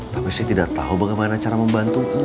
tapi saya tidak tahu bagaimana cara membantumu